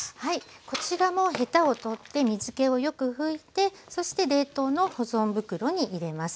こちらもヘタを取って水けをよく拭いてそして冷凍の保存袋に入れます。